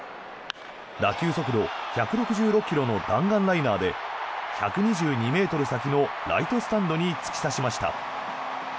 打球速度１６６ｋｍの弾丸ライナーで１２２ｍ先のライトスタンドに突き刺しました。